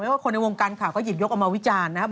ว่าคนในวงการข่าวก็หยิบยกออกมาวิจารณ์นะครับ